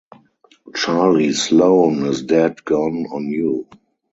Charlie Sloane is dead gone on you.